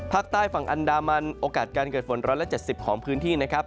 ภาคใต้ฝั่งอันดามันโอกาสการเกิดฝน๑๗๐ของพื้นที่นะครับ